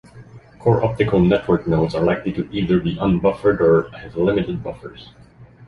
Core optical network nodes are likely to either be unbuffered or have limited buffers.